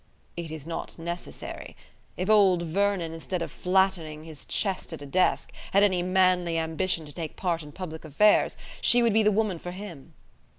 It is not necessary. If old Vernon, instead of flattening his chest at a desk, had any manly ambition to take part in public affairs, she would be the woman for him.